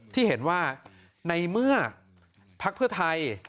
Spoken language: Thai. ที่เห็นว่าในเมื่อพักเพื่อไทย